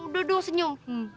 udah doh senyum